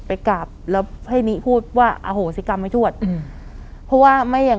ไปกราบแล้วให้นิพูดว่าอโหสิกรรมไม่ทวดอืมเพราะว่าไม่อย่าง